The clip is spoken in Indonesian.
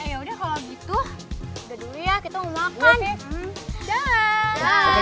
eh ya udah kalau gitu udah dulu ya kita mau makan